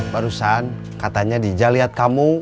barusan katanya dija liat kamu